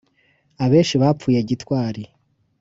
Abenshi bapfuye gitwari